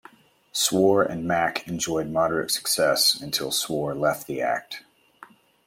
"Swor and Mack" enjoyed moderate success until Swor left the act.